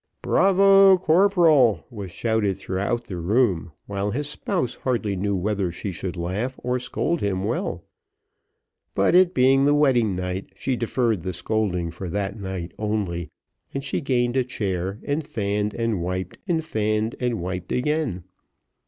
"Bravo, corporal!" was shouted throughout the room, while his spouse hardly knew whether she should laugh, or scold him well; but, it being the wedding night, she deferred the scolding for that night only, and she gained a chair, and fanned and wiped, and fanned and wiped again.